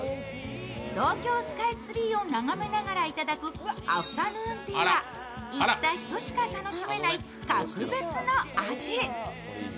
東京スカイツリーを眺めながらいただくアフタヌーンティーは行った人しか楽しめない格別の味。